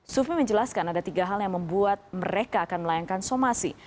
sufi menjelaskan ada tiga hal yang membuat mereka akan melayangkan somasi